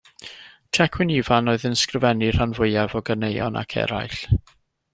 Tecwyn Ifan oedd yn sgrifennu'r rhan fwyaf o ganeuon Ac Eraill.